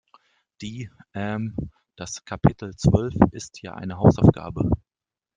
Die, ähm, das Kapitel zwölf ist ja eine Hausaufgabe.